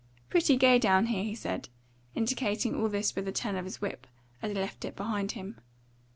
"Pretty gay down here," he said, indicating all this with a turn of his whip, as he left it behind him.